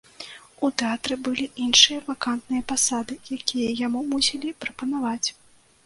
У тэатры былі іншыя вакантныя пасады, якія яму мусілі прапанаваць.